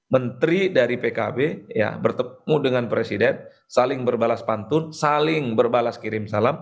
menteri dari pkb bertemu dengan presiden saling berbalas pantun saling berbalas kirim salam